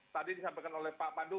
tadi disampaikan oleh pak pandu